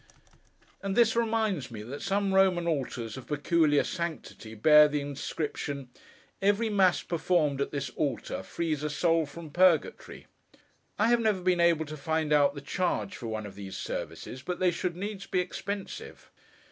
And this reminds me that some Roman altars of peculiar sanctity, bear the inscription, 'Every Mass performed at this altar frees a soul from Purgatory.' I have never been able to find out the charge for one of these services, but they should needs be expensive.